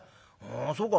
「そうか。